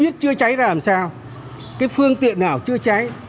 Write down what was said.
biết chữa cháy ra làm sao cái phương tiện nào chữa cháy